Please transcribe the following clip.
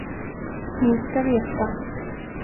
Ni ska veta.